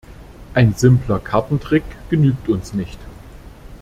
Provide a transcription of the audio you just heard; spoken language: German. Ein simpler Kartentrick genügt uns nicht.